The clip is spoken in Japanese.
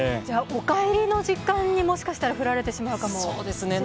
お帰りの時間にもしかしたら降られてしまうかもしれませんね。